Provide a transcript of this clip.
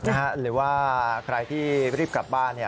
หรือว่าใครที่รีบกลับบ้าน